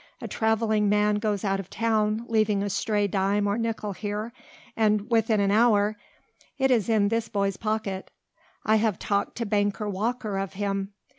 A travelling man goes out of town leaving a stray dime or nickel here and within an hour it is in this boy's pocket. I have talked to banker Walker of him.